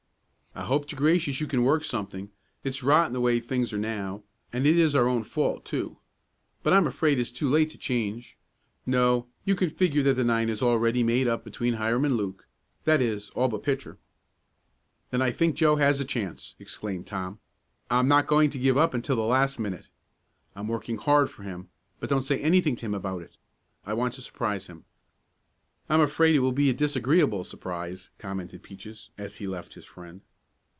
"I hope to gracious you can work something. It's rotten the way things are now, and it is our own fault, too. But I'm afraid it's too late to change. No, you can figure that the nine is already made up between Hiram and Luke that is, all but pitcher." "Then I think Joe has a chance!" exclaimed Tom. "I'm not going to give up until the last minute. I'm working hard for him, but don't say anything to him about it. I want to surprise him." "I'm afraid it will be a disagreeable surprise," commented Peaches, as he left his friend.